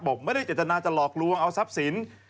ไม่ได้เจตนาจะหลอกลวงเอาทรัพย์สิน